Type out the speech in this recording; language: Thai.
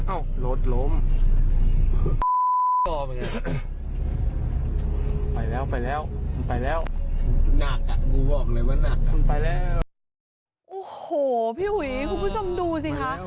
โอ้โหพี่อุ๋ยคุณผู้ชมดูสิคะ